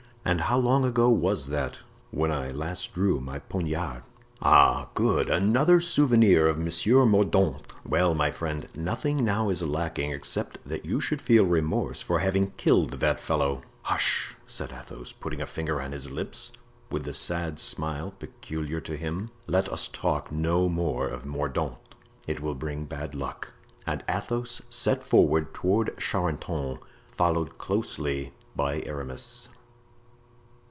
"And how long ago was that?" "When I last drew my poniard." "Ah! Good! another souvenir of Monsieur Mordaunt. Well, my friend, nothing now is lacking except that you should feel remorse for having killed that fellow." "Hush!" said Athos, putting a finger on his lips, with the sad smile peculiar to him; "let us talk no more of Mordaunt—it will bring bad luck." And Athos set forward toward Charenton, followed closely by Aramis.